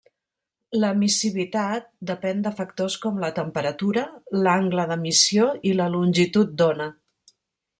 L'emissivitat depèn de factors com la temperatura, l'angle d'emissió i la longitud d'ona.